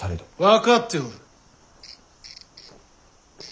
分かっておる。